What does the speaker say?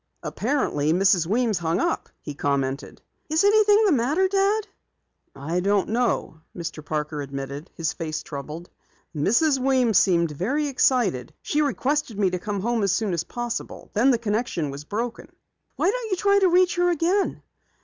"Apparently, Mrs. Weems hung up," he commented. "Is anything the matter, Dad?" "I don't know," Mr. Parker admitted, his face troubled. "Mrs. Weems seemed very excited. She requested me to come home as soon as possible. Then the connection was broken." "Why don't you try to reach her again?"